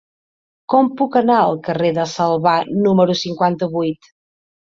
Com puc anar al carrer de Salvà número cinquanta-vuit?